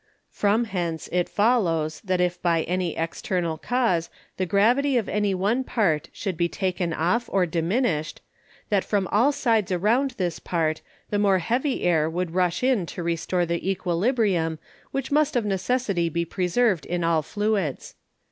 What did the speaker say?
From hence it follows, That if by any external Cause the Gravity of any one part shou'd be taken off or diminished, that from all sides around this part, the more heavy Air would rush in to restore the Equilibrium which must of necessity be preserved in all Fluids.